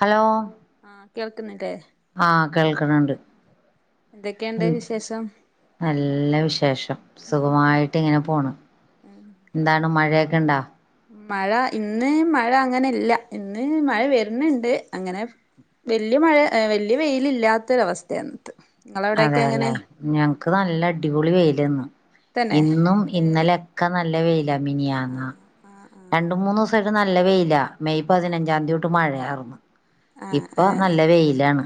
Hello ആഹ് കേൾക്കുന്നില്ലെ ആഹ് കേൾക്ണ് ഇണ്ട്. എന്തൊക്കെ ഇണ്ട് വിശേഷം നല്ല വിശേഷം. സുഖമായിട്ട് ഇങ്ങനെ പോണ്. ഉം എന്താണ് മഴയൊക്കെ ഇണ്ടോ. മഴ ഇന്ന് മഴ അങ്ങനെ ഇല്ല. ഇന്ന് മഴ വര്ന്ന്ണ്ട് അങ്ങനെ. വല്യ മഴ വെല്യ വെയില ഇല്ലാത്തൊരവസ്ഥയ ഇന്നത്തെ അതേല്ലെ. ഞങ്ങക്ക് നല്ല അടിപൊളി വെയിലെന്നു. തന്നെ ഇന്നും ഏഹ് ഇന്നലെ ക്കെ നല്ല വെയ്ല മിനിയാന്ന ആഹ് രണ്ടു മുന്നൂസായിട്ട് നല്ല വെയില. മെയ് പതിനഞ്ചാംന്തി തൊട്ട് മഴയാര്ന്ന്. ആഹ് ഇപ്പൊ ആഹ് ആഹ് നല്ല വെയിലാണ്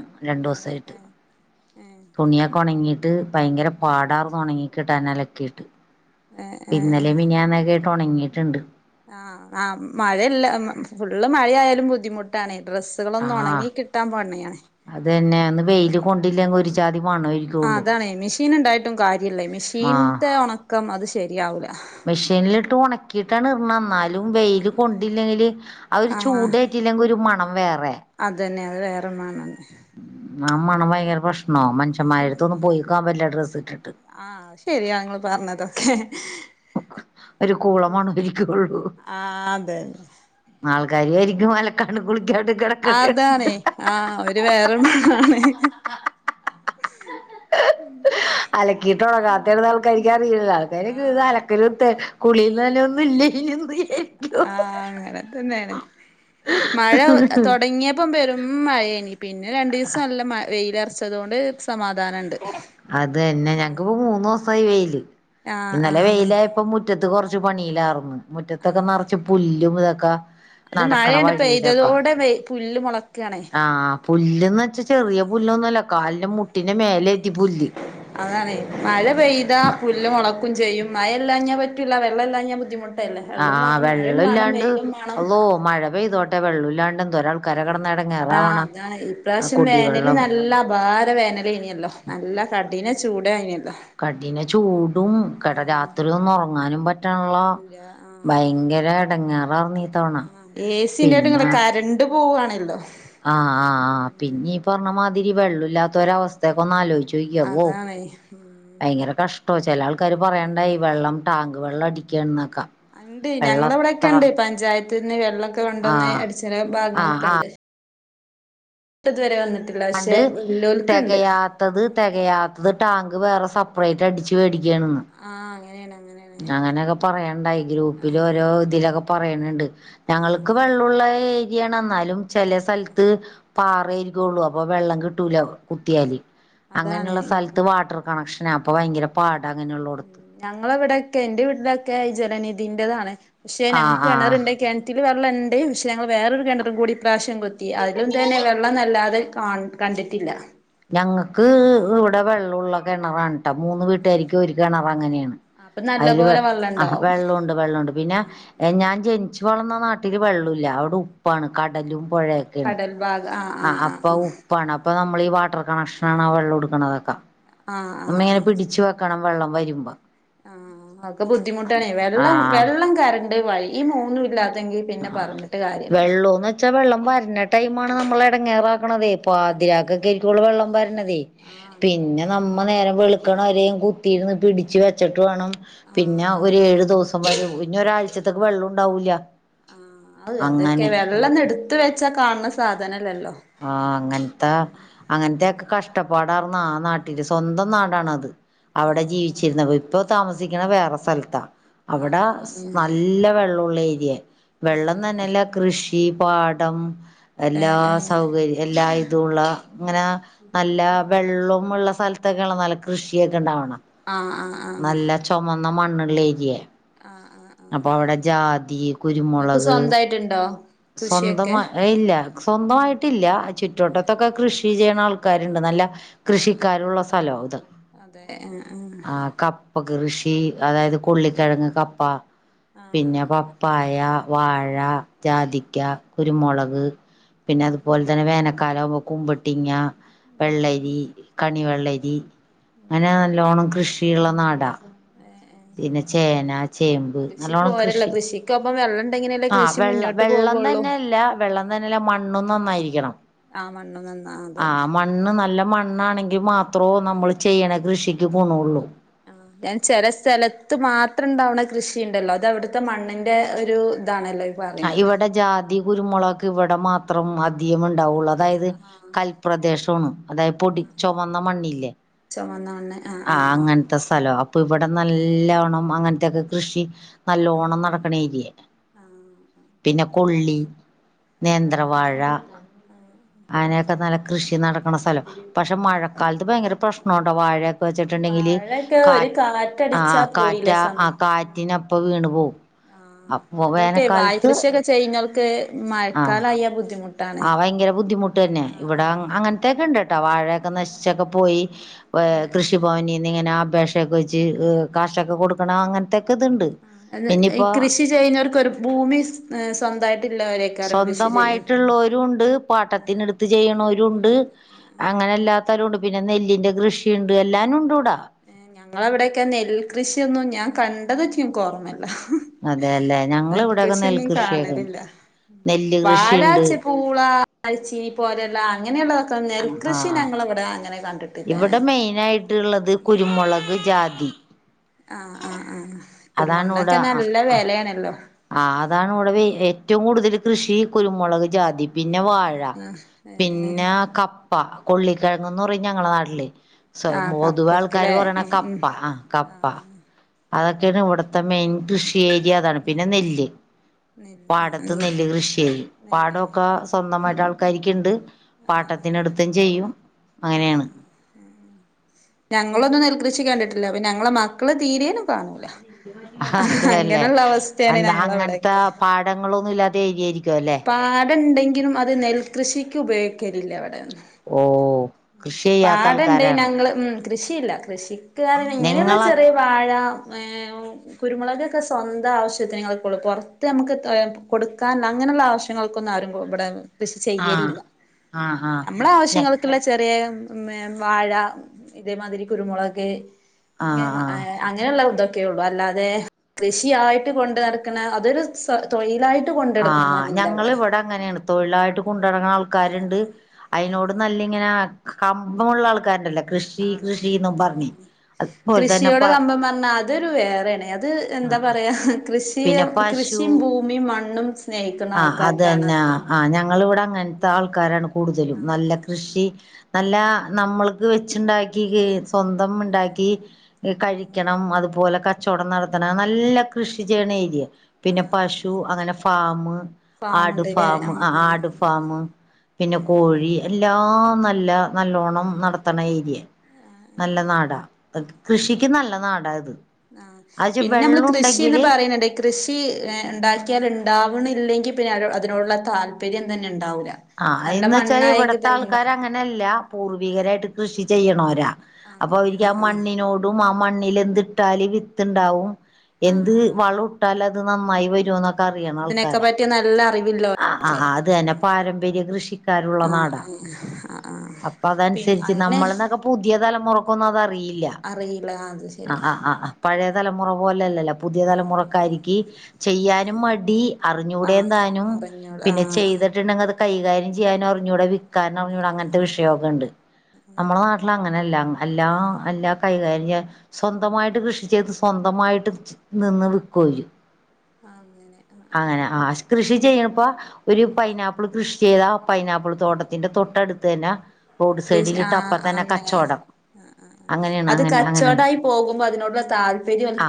ഏഹ് രണ്ടൂസായിട്ട്. ഏഹ് ഏഹ് തുണിയൊക്കെ ഒണങ്ങീട്ട് പയങ്കര പാടാർന്നു ഒണങ്ങി യിട്ട് അലക്കിയിട്ട് ഏഹ് ഏഹ് ഇന്നലെ ഏഹ് മിനിയാന്നൊക്കെ ആയ്ട്ട് ഒണങ്ങീട്ട്ണ്ട്. ആഹ് ആഹ് മഴല്ല മ ഫുള്ള് മഴ ആയാലും ബുദ്ധിമുട്ടാണ് ഡ്രസ് തുണികളൊന്നു ഒണങ്ങി കിട്ടാൻ പണ്യാണ് അതെന്നെ ഒന്ന് വെയില് കൊണ്ടില്ലെങ്കിൽ ഒരു ചാതി മണ്വആയിരിക് ആഹ് അതാണെ മിഷീന് ഇണ്ടായിട്ടും കാര്യ ഇല്ലേ. മിഷീൻത്തെ ഒണക്കം അത് ശരിയാവുല. മിഷീൻലിട്ട് ഒണക്കിട്ടാണ്റ്ന്നന്നാല് ലും വെയ്ൽ കൊണ്ടില്ലെങ്കില് ആ ഒരു ചൂടേറ്റില്ലെങ്കി ഒരു മണം വേറെ. അത് തന്നെ അത് വേറെ മാണാണ്. ആ മണം ഭയങ്കര പ്രശ്നോ. ആഹ് മനുഷന്മാരെടുത്തൊന്നും പോയിക്കാൻ പറ്റില്ല ഡ്രസ്സ് ഇട്ടിട്ട്. ആഹ് ശെരിയാ നിങ്ങൾ പറഞ്ഞതൊക്കെ. ഒരു കൂളമണ ഇരിക്കൊള്ളു. ആഹ് അതന്നെ ആൾക്കാര് വിചാരിക്കും അലക്കാണ്ട് കുളികാണ്ട് കടക് ആതാണ് ആഹ് ഒരു വേറെ മാണാണ് [inaudible] ഉം [inaudible] അലക്കീട്ടു ഒങ്ങാത്ത ഇടന്ന് ആൾക്കാരിക്കാ അറിയില്ല ആൾക്കാരൊക്കെ ആഹ് ഇതല [unintelligible] ക് ര്ത്തെ കുളി നനെ ഒന്നും ഇല്ല എന്ന് [unintelligible] ആഹ് അങ്ങനെതന്നേണ്. മഴ തൊടങ്ങ്യേപ്പം പെരും മഴേനി. പിന്നെ രണ്ടീസം നല്ല വെയിലറ്ച്ച തോണ്ട് സമാധാനണ്ട്. അതെന്നെ. ഞങ്ങക്ക്പ്പൊ മൂന്നോ സമായി വെയില്. ആഹ് ഇന്നലെ ആഹ് വെയിലായപ്പ മുറ്റ മുറ്റത്ത് കൊറ്ച്ച് പണിയിലാർന്ന്. മുറ്റത്തൊക്കെ നറച്ച് പുല്ലും ഇതൊക്ക അത് മഴേണ്ട് പെയ്തതോടെ വെ പുല്ല് മൊളക്കാണെ ആഹ് പുല്ല്ന്ന് വെച്ചാ ചെറിയ പുല്ലൊന്നു അല്ല. കാലിന്റെ മുട്ടിന്റെ മേലേ എത്തി പുല്ല്. അതാണ് മഴ പെയ്താ പുല്ല് മൊളക്കും ചെയ്യും. മഴയല്ലാഞ്ഞാ പറ്റൂല. വെള്ളമല്ലാഞ്ഞാ ബുദ്ധിമുട്ട് അതല്ലെ വെള്ളും ആഹ് വാണം മഴിം വെള്ളം വാണം ഇല്ലാണ്ട് വെയിലും മാണം. അള്ളോ മഴ പെയ്തോട്ടെ വെള്ളുല്ലാണ്ടെ ആഹ് ഇതാണെ ആ ഇപ്രാവശ്യം വേനല് കുടിവെള്ളം നല്ല അപാര വേനലേന്യല്ലോ നല്ല കഠിന ചൂടേ ന്യെല്ലൊ. കടിനെ ചൂടും കട രാത്രിയൊന്നും ഒറങ്ങാനും പറ്റ പറ്റ്ണ്ള്ള ഇല്ല ഭയങ്കര എടങ്ങേറാ ണി ആഹ് ഏസിന്റാട്ട് കറണ്ട് പോവാണല്ലോ ആഹ് ആഹ് ആഹ് പിന്നീ ഈ പറഞ്ഞമാതിരി വെള്ളുല്ലാത്തോരവസ്ഥയൊക്ക ഒന്ന് ആലോചിച്ചു ചോയ്ക്കേ വൗ അതാണ് ഉം ഭയങ്കര കഷ്ട ചെല ആൾക്കാര് പറയണ്ടായി വെള്ളം ടാങ്ക് വെള്ളം അടിക്കാണ്ന്നൊക്കെ ഇണ്ട് വെള്ളം അത്ര ഞങ്ങളിവ്ടെയൊക്കെയിണ്ട് പഞ്ചായതത്ത്ന്ന് വെള്ളൊക്കെ കൊണ്ടന്ന് ആഹ് അടിച്ച്ണ ആഹ് ആഹ് ഭാഗങ്ങളൊക്കെണ്ട് ഇപ്പതുവരെ വന്നട്ടില്ല. ആണ്ട് തെകയാത്തത് തെക കയാത്തത് ടാങ്ക് വേറെ സെപ്പറേറ്റ് അടിച്ച് മേടിക്കയാണെന്ന് ആഹ് അങ്ങനെയാണ് ന്ന് അങ്ങനെയൊക്കെ ആഹ് പറയണ്ടായിഗ്രൂപ്പിലോരോതിലൊക്കെ പറയണണ്ട് ആഹ് ഞങ്ങൾക്ക് ആഹ് വെള്ളുള്ള ഏരിയാണ് എന്നാലും ചെല സ്ഥലത്ത് പാറയിരിക്കൊള്ളു അപ്പൊ വെള്ളം കിട്ടൂല കുത്തിയാല് അതാണ് അങ്ങനെള്ള ഉം സ്ഥലത്ത് വാട്ടർ കണക്ഷനാ അപ്പൊ ഭയങ്കര പാട അങ്ങനെള്ളൊട്ത്ത് ഞങ്ങളവ്ടൊക്കെ എൻറെ വീട്ടിലൊക്കെ ജലനിധിന്റെതാണ് പക്ഷെ ആഹ് ഞങ്ങക്ക് ആഹ് കിണറ്ണ്ട് കെണ ണറ്റില് വെള്ളണ്ട് പക്ഷെ ഞങ്ങള് വേറൊരു കെണറുംകൂടി ഇപ്രാവശ്യം കുത്തി അയ്ലും തന്നെ വെള്ള വെള്ളം വല്ലാതെ കാ കണ്ടിട്ടില്ല. ഞങ്ങക്ക് ഇവിടെ വെള്ളൊള്ള കെണറാണ് ട്ടൊ മൂന്ന് വീട്ടുകാര്ക്ക് ഒര് കെണർ അങ്ങനെയാണ് അപ്പൊ നല്ല അയ്ല് പോലെ അഹ് വെള്ളണ്ടാവും വെള്ളുണ്ട് വെള്ളണ്ട്. പിന്നെ ഞാൻ ജനിച്ചു വളർന്ന നാട്ടില് വെള്ളുല്ല അവിടെഉപ്പാണ് കടലും പുഴയൊക്ക ക്കേണ് ആഹ് അപ്പൊ ഉപ്പാണ് അപ്പൊ നമ്മള് ഈ വാട്ടർ കണക്ഷനാണ് ആ വെള്ളൊട്ക്ണതൊക്കെ ആഹ് ആഹ് ആഹ് നമ്മ ആഹ് ഇങ്ങനെ പിടിച്ചു വെക്കണം വെള്ളം വരുമ്പോ ആഹ് ഒക്കെ ബുദ്ധിമുട്ടാണ് വെള്ളം ആഹ് വെള്ളം കറണ്ട് വഴി ഈ മൂന്ന് ഇല്ലാതെങ്കി പിന്നെ പറഞ്ഞിട്ട് കാര്യല്ലാ പച്ചാ വെള്ളം വരണ ടൈമാണ് നമ്മളെ എടങ്ങേറാക്കണതേ അതാണ് പാതിരാക്കൊക്കെആക്കാരം വെള്ളം വരുന്നതേ ആഹ് പിന്നെ അങ്ങനെയാണ് നമ്മ നേരം വെള് ക്ക്ണവെരേം കുത്തിര്ന്ന് പിടിച്ച് വെച്ചിട്ട് വാണം ആഹ് പിന്നാ ആഹ് ഒരേഴു ദിവസം വരും പിന്നരാഴ്ചത്തേക്ക് വെള്ളംണ്ടാവൂല്ല ആഹ് ആഹ് അതൊക്കെ വെള്ളൊന്ന് ഇട്ത്ത് വെച്ചാ കാണണ സാധനല്ലല്ലോ ആഹ് അങ്ങനത്ത അങ്ങനത്തെയക്ക കഷ്ടപ്പാടാർന്ന ആ നാട്ടില് സ്വന്തം നാടാണത് അവിടെ ഏഹ് ഏഹ് ജീവിച്ചിരുന്ന ഇപ്പൊ താമസിക്കണ വേറെ സ്ഥലത്താ ആഹ് ആഹ് ആഹ് അവ്ടനല്ല വെള്ളൊള്ള ഏരിയ ഏഹ് വെള്ളം തന്നെല്ല ഏഹ് കൃഷി പാഠം എല്ലാ ഏഹ് ഏഹ് സൗകര്യം എല്ലാ ഇതുള്ള ഇങ്ങനെ നല്ല വെള്ളം ഉള്ള സ്ഥലത്തൊക്കെയ നല്ല കൃഷിയൊക്കെണ്ടാവ്ണ ആഹ് ആഹ് ആഹ് നല്ല ചൊമന്ന മണ്ണ് ള്ളേരിയാ ആഹ് ആഹ് അപ്പൊ ആഹ് അവ്ടെ ജാതി കുരുമുളക് ര്ണ്ടോ? സ്വന്തമാ എ ഏ ഇല്ല സ്വന്തമായിട്ടില്ല ചുറ്റുവട്ടത്തൊക്കെ കൃഷി ചെയ്യണാൾക്കാര്ണ്ട് നല്ല കൃഷിക്കാരുള്ള സ്ഥലോ ഇത് അതെ ആഹ് ആഹ് കപ്പ കൃഷി അതായത്. ഉുള്ളിക്കിഴങ്ങ് കപ്പ ആഹ് ആഹ് പിന്നെ ആഹ് പപ്പായ വാഴ. ജാതിക്ക കുരുമുളക് പിന്നെ അതുപോലെ തന്നെ വേനൽക്കാല ആകുമ്പോ കുമ്പട്ടിങ്ങ. ഉം ഉം വെള്ളരി കണിവെള്ളരി അങ്ങനെ നല്ലോണം കൃഷിയുള്ള നാടാ. ഏ ഏ പിന്നെ ചേന ചേമ്പ് നല്ലോണം പോരല്ലോ കൃഷി കൃഷിക്കൊപ്പം വെള്ളം ഉണ്ടെങ്കിലല്ലേ ആഹ് കൃഷി വെള്ളം. മുന്നോട്ട് വെള്ളം പോകുള്ളൂ തന്നെയല്ല വെള്ളം ഉം തന്നെല്ല മണ്ണും നന്നായിരിക്കണം. ആഹ് മണ്ണും നന്നാവണം ആ അതന്നെ മണ്ണ് നല്ല മണ്ണാണെങ്കി മാത്രോ നമ്മള് ചെയ്യണ കൃഷിക്ക് ഗുണൊള്ളൂ. ആഹ് ഞാൻ ചില സ്ഥലത്ത് മാത്രം ഉണ്ടാവണ കൃഷിയുണ്ടല്ലോ അത് അവിടുത്തെ മണ്ണിന്റെ ഒരു ഇതാണല്ലോ. ആഹ് പറയണത് ഇവിടെ ജാതി കുരുമുളക് ഇവിടെ മാത്രം അധികം ഉണ്ടാവുള്ള് അ തായത് ആഹ് കൽപ്രദേശോണ് അതായത് പൊടി ചുവന്ന മണ്ണില്ലേ. എന്നാന്ന് ആഹ് ആഹ് ആഹ് ത്തെ സ്ഥല അപ്പൊ ഇവിടെ നല്ലോണം അങ്ങനത്തെക്കെ കൃഷി നല്ലോണം ഉം നടക്കണ ഏരിയ ആഹ് ആഹ് പിന്നെ കൊള്ളി ആഹ് ആഹ് നേന്ത്രവാഴ അങ്ങനെയൊക്കെ നല്ല. കൃഷി നടക്കണ സ്ഥലം പക്ഷെ മഴക്കാലത്ത് ഭയങ്കര പ്രശ്നാണ്ട്ടൊ വാഴെ വെച്ചിട്ടുണ്ടെങ്കില് വാഴയൊക്കെ കാ ഒരു കാറ്റടിച്ചാ ആഹ് കാറ്റ പോയില്ലേ ആ സംഭവം കാറ്റിനപ്പൊ വീണു പോവും ആഹ് അപ്പൊ വേന അതൊക്കെ വാഴ കൃഷിയൊക്കെ ചെയ്യുന്നവർക്ക് ആഹ് മഴക്കാലായ ബുദ്ധിമു ആഹ് ഭയങ്കര ബുദ്ധിമുട്ട് തന്നെ ഇവിടെ അങ്ങനത്തെയൊക്കെ ഉണ്ട് കേട്ടോ വാഴയൊക്കെ നശിച്ചൊക്കെ പോയി. ഏഹ് ആഹ് കൃഷിഭവനിന്ന് ഇങ്ങനെ അപേക്ഷ. [unintelligible] വെച്ച് കാശൊക്കെ കൊടുക്കണ അങ്ങനത്തൊക്കെ ഇതുണ്ട്. ഈ പിന്നിപ്പോ കൃഷി ചെയ്യുന്നവർക്ക് ഒരു ഭൂമി സ്വന്തമായിട്ടില്ലവരെ. സ്വന്തമായിട്ടുള്ളോരും ഉണ്ട് പാട്ടത്തിനെടുത്ത് ചെയ്യണവരും ഉണ്ട്. അങ്ങനല്ലാത്തവരുണ്ട് പിന്നെ നെല്ലിന്റെ കൃഷിയുണ്ട് എല്ലാനും ഉണ്ട്വ്ടാ. ഞങ്ങളവിടെയൊക്കെ നെൽകൃഷിയൊന്നും ഞാൻ കണ്ടതായിട്ടും നിക്ക് ഓർമല്ല. അതെല്ലേ ഞങ്ങള് ഇവിടെയൊക്കെ നെൽകൃഷിയൊന്നും നെൽകൃഷിയൊക്കെ ഉണ്ട് കാണലില്ല നെല്ല് വാഴ കൃഷിയുണ്ട് ച്ചിപൂ. പുള മരച്ചിനി പോലെയുള്ള അങ്ങനെയുള്ളതൊക്കെ നെൽകൃഷി ആഹ് ഞങ്ങളവിടെ അങ്ങനെ കണ്ടി ഇവിടെ മെയിനായിട്ടുള്ളത് കുരുമുളക് ജാതി. ആഹ് ആഹ് ആഹ് അതാണ് ഇവിടെ കുരുമുളകിനൊക്കെ ആഹ് നല്ല ആഹ് വിലയാണല്ലോ. ആഹ് അതാണ് ഇവിടെ ഏറ്റവും കൂടുതൽ കൃഷി കുരുമുളക് ജാതി. പിന്നെ വാഴ ആഹ് ആഹ് ഏഹ് ഏഹ് പിന്നെ കപ്പ കൊള്ളിക്കിഴങ്ങ്ന്ന് പറയും ഞങ്ങളെ നാട്ടില്. സൊ ആഹ് പൊതുവെ കപ്പയ്ക്ക് ആൾക്കാര് ലെ പറയണ ഉം ഉം കപ്പ ആഹ് കപ്പ. അതൊക്കെയാണ് ഇവിടത്തെ മെയിൻ കൃഷി ഏരിയ അതാ പിന്നെ നെല്ല് നെല്ല് പാടത്ത് ആഹ് നെല്ല് കൃഷി ചെയ്യും നെല്ല് പാടൊക്ക. ആഹ് സ്വന്തമായിട്ട് ആൾക്കാരിക്കുണ്ട് പാട്ടത്തിനെടുത്തും ചെയ്യും അങ്ങനെയാണ്. ഞങ്ങളൊന്നും നെൽകൃഷി കണ്ടിട്ടില്ല അപ്പ ഞങ്ങളെ മക്കള് തീരേനും കാണൂല. അതെല്ലേ അങ്ങനെയുള്ള അവസ്ഥയാണ് എന്താ അങ്ങനത്തെ ഞങ്ങളവിടെയൊക്കെ പാഠങ്ങളൊന്നും ഇല്ലാ ത്ത ഏരിയായിരിക്കും അല്ലെ. പാടണ്ടെങ്കിലും അത് നെൽകൃഷിക്ക് ഉപയോഗിക്കലില്ല ഇവിടെ. ഓ കൃഷി ചെയ്യാത്ത പാടണ്ട് ആൾക്കാരാണ് ഞങ്ങള് ഉം കൃഷിയില്ല കൃഷിക് ഇങ്ങനെയുള്ള നിങ്ങള ചെറിയ. വാഴ ഈഹ് കുരുമുളകക്കെ സ്വന്തം ആവശ്യത്തിന് ങ്ങൾക്കള്ളൂ പുറത്ത് നമുക്ക് കൊടുക്കൻ അങ്ങനെയുള്ള ആവശ്യ ങ്ങൾക്കൊന്നും ആരും ഇവിടെ കൃഷി ആഹ് ചെയ്യലില്ല ആഹ് ആഹ് നമ്മളെ ഞ ആവശ്യങ്ങൾ ക്കുള്ള ചെറിയ വാഴ ഇതേമാതിരി കുരുമുളക് ആഹ് ഏഹ് ആഹ് അങ്ങനെയുള്ള ഇതൊക്കെ ഉള്ളൂ അല്ലാതെ കൃഷിയായിട്ട് കൊണ്ട് നടക്കുന്ന അതൊരു സ തൊഴിലായിട്ട് കൊണ്ട് നാടക്കണന്നുംല്ല ഇവിടെ. അങ്ങനേണ് തൊഴിലായിട്ട് കൊണ്ട് നടക്കണ ആൾക്കാരുണ്ട് അയിനോട് നല്ല ഇങ്ങനെ കമ്പമുള്ള ആൾക്കാരുണ്ടല്ല അതാണ് ഉം ഉം അതുപോലെ തന്നെ കൃഷിയോട് പ കമ്പം പറഞ്ഞാ അതൊരു വേറെയാണ് അത് എന്താ ആഹ് പറയാ കൃഷിയ പിന്നെ പശു കൃഷിയും ഭൂമിയും മണ്ണും സ്നേഹിക്കുന്ന ആഹ് ആൾക്കാർക്കാണ് അതന്നെ അത് ആഹ് ഞങ്ങളിവിടെ അങ്ങൻ ത്ത ആൾക്കാരാണ് കൂടുതലും നല്ല കൃഷി നല്ല നമ്മൾക്ക് വെച്ച്ണ്ടാക്കി കെ സ്വന്തം ഇണ്ടാക്കി കഴിക്കണം അതുപോലെ ക ച്ചോടം നടത്തണ നല്ല കൃഷി ചെയ്യണ ഏരിയ ആ പിന്നെ പശു അങ്ങനെ ഫാമ് ആട് ഫാമുണ്ട്ല്ലേ ഫാമ് ആ ആഹ് ആ ആട് ഫാമ് പിന്നെ കോഴി എല്ലാം നല്ല നല്ലോണം നടത്തണ ഏരിയ നല്ല നാടാ കൃഷിക്ക് നല്ല നാടാ ഇത് ആഹ് അയ്ക്ക് പിന്നെ നമ്മള് വെള്ളം കൃഷിന്ന് ഉണ്ടെങ്കില് പറയണണ്ട് കൃഷി ഉണ്ടാക്കിയാൽ ഉണ്ടാവണില്ലെങ്കിൽ പിന്നെ അതിനോടുള്ള താല്പര്യം തന്നെ ഉണ്ടാവൂല ആഹ് നല്ല അയ്ന്ന് വെച്ചാല് മണ്ണായെങ്കിൽ ഇവിടത്തെ തന്നെ ആൾക്കാര് ഉണ്ടാവും അങ്ങനെ അല്ല പൂർവികരായിട്ട് കൃഷി ചെയ്യ്‌ണോരാ അപ്പൊ അങ്ങനെ അവക്ക് ആ ആഹ് ആഹ് മണ്ണിനോട് ആ മണ്ണിൽ എന്ത് ഇട്ടാല് വിത്ത്ണ്ടാവും ആഹ് എന്ത് ആഹ് വളും ഇട്ടാല് അത് നന്നായി വരൂ എന്നൊക്കെ അറിയണ ആൾക്കാര കിട്ടി നല്ല അറിവില്ലോ ആഹ് അത് തന്നെ പാരമ്പര്യ കൃഷിക്കാരുള്ള നാടാ ആഹ് ആഹ് ആഹ് അപ്പൊ പിന്നെ അതനുസരിച്ച് അങ്ങനെ നമ്മള്ന്ന് ഒക്കെ പുതിയ തലമുറക്കൊന്നും അതറിയില്ല അറിയില്ല അത് ശരി ആഹ് ആഹ് പഴയ തലമുറ പോലെ അല്ലല്ല പുതിയ തലമുറക്കാരിക്ക്‌ ചെയ്യാനും മടി അറിഞ്ഞൂടേം ആഹ് താനും അറിഞ്ഞോള പിന്നെ ആഹ് ചെയ്തിട്ടുണ്ടെങ്കിൽ അത് കൈകാര്യം ചെയ്യാനും അറിഞ്ഞൂട വി കാരണം അങ്ങനെ ഇവ്ടെ അങ്ങനത്തെ വിഷയൊക്കെ ഉണ്ട് നമ്മളെ നാട്ടിൽ അങ്ങനെല്ലാ എല്ലാം എല്ലാ കൈകാര്യം ചെയ്യാൻ സ്വന്തമായിട്ട് കൃഷി ചെയ്ത് സ്വന്തമായിട്ട് നിന്ന് വിക്കും ഓല് ആഹ് അങ്ങനെ ആഹ് അങ്ങനെ ആഹ് കൃഷി ചെയ്യ്ണപ്പ ഒരു പൈനാപ്പിൾ കൃഷി ചെയ്താ പൈനാപ്പിൾ തോട്ടത്തിന്റെ തൊട്ട അടുത്ത് തന്നെ റോഡ് കൃഷി സൈഡിലിട്ട് ആഹ് അപ്പ തന്നെ അങ്ങനെ കച്ചോടം ആഹ് അത് കച്ചോടായി പോകുമ്പോ അതിനോടുള്ള താല്പര്യം അത് ആ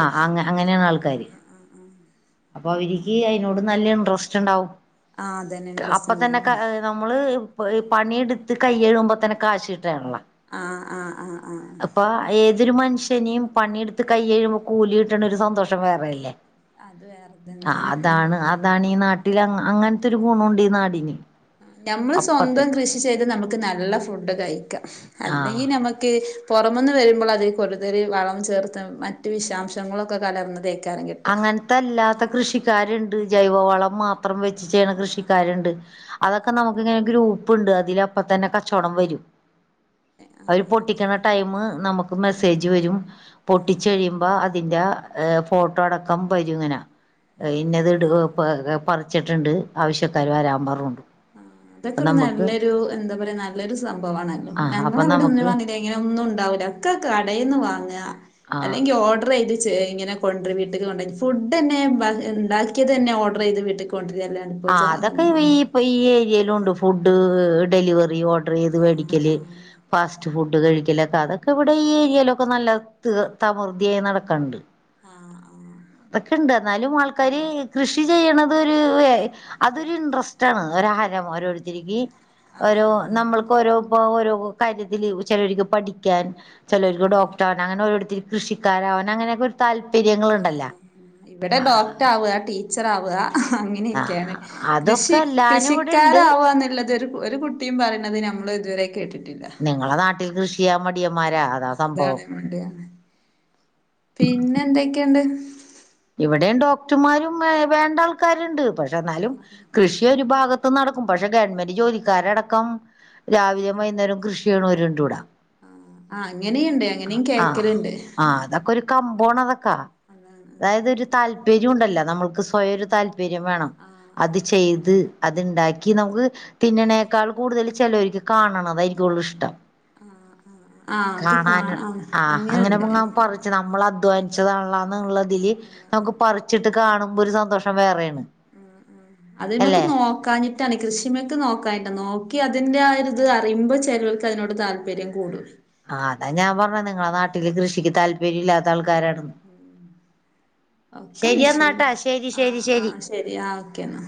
ആ അങ്ങ അങ്ങനെയാണ് ആൾക്കാര് അപ്പൊ അവരിക്ക് അതിനോട് നല്ല ഇൻട്രസ്റ്റ് ഉണ്ടാവും ആഹ് അതന്നെ ഇൻട്രസ്റ്റ് അപ്പൊ തന്നെ ക ഉണ്ടാവും നമ്മള് പണിയെടുത്ത് കയ്യെഴുമ്പോ തന്നെ കാശ് കിട്ടാണള്ള ആഹ് ആഹ് ആഹ് ആഹ് ഏതൊരു മനുഷ്യനിം പണിയെടുത്ത് കൈ കഴിയുമ്പോൾ കൂലി കിട്ടണ ഒരു സന്തോഷം വേറെ അല്ലേ അത് വേറെ തന്നെ ഉം ഉം അതാണ് ഈ നാട്ടില് അങ്ങനത്തെ ഒരു ഗുണുണ്ട് ഈ നാടിന് നമ്മള് അപ്പ സ്വന്തം തന്നെ കൃഷി ചെയ്ത് നമുക്ക് നല്ല ഫുഡ് കഴിക്കാം ആ അല്ലെങ്കിൽ നമക്ക് പുറമെന്ന് വരുമ്പോൾ അതിൽ കടുതൽ വളം ചേർത്ത് മറ്റ് വിഷാംശങ്ങളൊക്കെ കലർന്നതെയ്കാരം കിട്ട അങ്ങനത്ത അല്ലാത്ത കൃഷിക്കാരുണ്ട് ജൈവ വളം മാത്രം വെ ചെയ്യ്ണ കൃഷിക്കാരുണ്ട് അതൊക്കെ നമുക്ക് ഇങ്ങനൊക്കെ ഒരു ഗ്രൂപ്പ്‌ ഇണ്ട് അതിലപ്പ തന്നെ കച്ചോടം വരും അവര് പൊട്ടിക്കണ ടൈമ് നമുക്ക് മെസ്സേജ് വരും പൊട്ടിച്ച് കഴിയു മ്പ അതിന്റെ ഫോട്ടോ അടക്കം വരും ഇങ്ങനെ ഇന്നത് ഇട് പറിച്ചിട്ടുണ്ട് ആവശ്യക്കാര് വരാൻ മ്പറോണ്ടു ആഹ് അതൊക്കെ ഒരു നല്ലൊരു എന്താ പറയാ നല്ലൊരു സംഭവണല്ലോ ആഹ് ഞങ്ങള അപ്പൊ ഇവിടെ ഒന്ന് നമുക്ക് വാങ്ങി ഇങ്ങന ഒന്നും ഉണ്ടാവൂല ഒക്കെ കടേന്ന് വാങ്ങ ആഹ് അല്ലെങ്കിൽ ഓർഡർ ചെയ്ത് ഇങ്ങനെ കൊണ്ട് രും വീട്ട്ക്ക് കൊണ്ടരും ഫുഡ് തന്നെ ബ ഉണ്ടാക്കിയത് തന്നെ ഓർഡർ ചെയ്ത് വീട്ട്ക്ക് കൊണ്ട് രല്ലെ ആഹ് അതൊക്കെ ഇപ്പൊ ഈ ഏരിയില് ഉണ്ട് ഫുഡ് ഡെലിവറി ഓർഡ് ഓർഡറയ്ത് ആഹ് മേടിക്കല് ആഹ് ഫാസ്റ്റ് ഫുഡ് കഴിക്കലൊക്കെ അതൊക്കെ ഇവിടെ ഈ ഏരിയയിലൊക്കെ താകൃതിദ്ധിയായി നടക്കണ്ട് ആഹ് ആഹ് അതൊക്കെണ്ട് എന്നാലും ആൾക്കാര് കൃഷി ചെയ്യണതൊരു എ അതൊരു ഇൻട്രസ്റ്റാണ് ഒരുഹരം ഓരോരുത്തരിക്ക് ആഹ് ഓരോ ആഹ് ആഹ് നമ്മൾക്ക് ഓരോപ്പോ ഓരോ കാര്യത്തില് ചിലര്ക്ക് പഠിക്കാൻ ചിലര്ക്ക് ഡോക്ടർ ആവാൻ അങ്ങനെ ഓരോരുത് കൃഷിക്കാരാവാൻ അങ്ങനെക്കൊരു താല്പര്യങ്ങൾ ആ ഇവിടെ ഡോക്ടർ ആ വാ ടീച്ചർ ആവാ അങ്ങ ആ ഇങ്ങനൊക്കെയാണ് കൃഷി അതൊക്കെ എല്ലാനും ഇവിടെ ഉണ്ട് കൃഷിക്കാരാവാന്നുള്ളത് ഒരു കുട്ടി കുട്ടിം പറയുന്നത് ഞമ്മൾ ഇതുവരെ കേട്ടി നിങ്ങളെ നാട്ടിൽ കൃഷിചെയ്യാൻ മടിയന്മാരാ അതാ സംഭവം മടിയാണ് പിന്നെ എന്തൊക്കെണ്ട്? ഇവിടെയും ഡോക്ടർമാരും വേണ്ടാൾക്കാരുണ്ട് പക്ഷെ എന്നാലും കൃഷിയൊരുഭാഗത്ത് നടക്കും പക്ഷെ ഗവൺമെന്റ് ജോലിക്കാരടക്കം രാവിലേം വൈകുന്നേരം കൃഷി ചെയ്യുണോരിണ്ടിവിട ആഹ് അങ്ങനെയ്ണ്ട് അങ്ങനെയും കേക്കല്ണ്ട് കമ്പോണറക്കാ അതായത് ഒരു താല്പര്യം ഉണ്ടല്ലോ നമ്മൾക്ക് സ്വയൊരു താല്പര്യം വേണം ആഹ് അത് ആഹ് ചെയ്ത് അത്ണ്ടാക്കി നമുക്ക് തിന്നണേക്കാൾ കൂടുതൽ ചിലര്ക്ക് കാണണതായിരിക്കും കൂടുതൽ ഇഷ്ടം ആഹ് ആഹ് ആഹ് അത് കാണാന് കാണാം ആഹ് അങ്ങനെയുണ്ട് അങ്ങനെങ്ങാ പറ റിച്ച് നമ്മൾ അധ്വാനിച്ചതാണുള്ളതി നമുക്ക് പറിച്ചിട്ട് കാണുമ്പോ ഒരു സന്തോഷം വേറെണ് ഉം ഉം അതില്മ്മൽക്ക് നോക്കാന് ട്ടാന് കൃഷിമ്മേക്ക് നോക്കാഞ്ഞിട്ടാ നോക്കി അതിന്റെ ആ ഒരിത് അറിയുമ്പോ ചെലോർക്ക് അതിനോട് താല്പര്യം കൂടും ആഹ് അതാ ഞാൻ പറഞ്ഞെ നിങ്ങളെ നാട്ടില് കൃഷിക്ക് താല്പര്യം ഇല്ലാത്താൾക്കാരാണെന്ന് ഒക്കെ ശരി മെഷീന് എന്നാട്ടാ ശരി ആഹ് ശരി ശരി ആഹ് ശരി ആഹ് ഓക്കേന്നാ